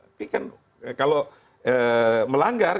tapi kan kalau melanggar